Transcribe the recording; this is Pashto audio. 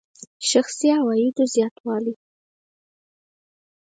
شخصي عوایدو زیاتوالی.